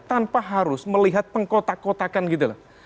tanpa harus melihat pengkotak kotakan gitu loh